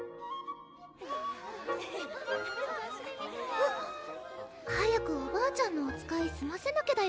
あっ早くおばあちゃんのおつかいすませなきゃだよ